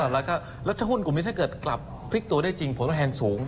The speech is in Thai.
แล้วถ้าหุ้นกลุ่มนี้เกิดกลับพลิกตัวได้จริงโผล่แทนสูง